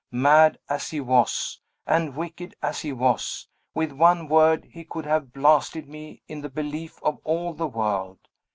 Mad as he was, and wicked as he was, with one word he could have blasted me in the belief of all the world.